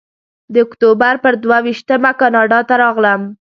د اکتوبر پر دوه ویشتمه کاناډا ته راغلم.